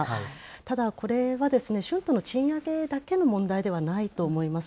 ただ、これは春闘の賃上げだけの問題ではないと思います。